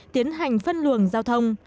tiến hành phân luồng giao thông